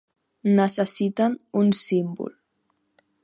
Necessiten un símbol.